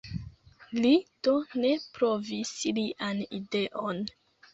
Li do ne provis lian ideon.